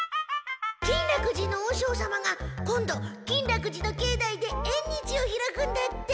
金楽寺の和尚様が今度金楽寺のけいだいでえん日を開くんだって。